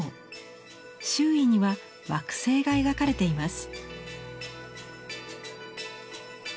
周囲には惑星が描かれています。